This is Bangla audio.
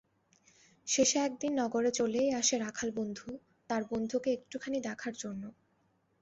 শেষে একদিন নগরে চলেই আসে রাখাল বন্ধু তার বন্ধুকে একটুখানি দেখার জন্য।